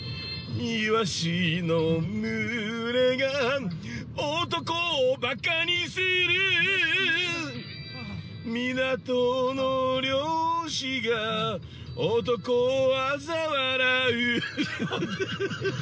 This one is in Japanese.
イワシの群れが男をバカにするぅ港の漁師が男をあざ笑うフフフフッ◆